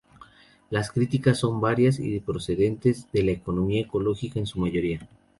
Las críticas son varias y procedentes de la economía ecológica en su mayoría.